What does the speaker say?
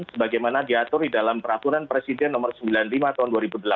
sebagaimana diatur di dalam peraturan presiden nomor sembilan puluh lima tahun dua ribu delapan belas